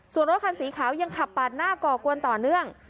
ส่วนรถคันสีขาวยังขับปาดหน้าก่อกวนต่อเนื่อง